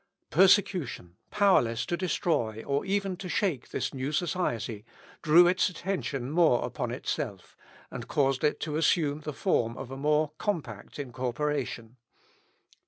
Persecution, powerless to destroy, or even to shake this new society, drew its attention more upon itself, and caused it to assume the form of a more compact incorporation.